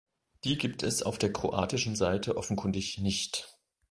Die gibt es auf der kroatischen Seite offenkundig nicht.